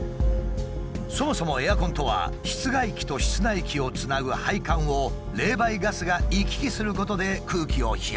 そもそもエアコンとは室外機と室内機をつなぐ配管を冷媒ガスが行き来することで空気を冷やしている。